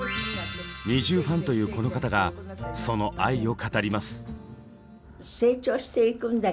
ＮｉｚｉＵファンというこの方がその愛を語ります！